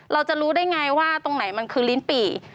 เราจะรู้ได้ไงว่าตรงไหนมันคือลิ้นปี่